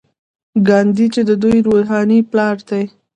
ګاندي جی د دوی روحاني پلار دی.